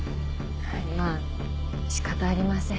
はいまぁ仕方ありません。